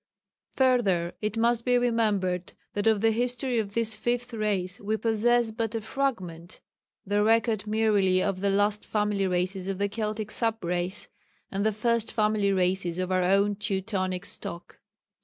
Further, it must be remembered that of the history of this Fifth Race we possess but a fragment the record merely of the last family races of the Keltic sub race, and the first family races of our own Teutonic stock.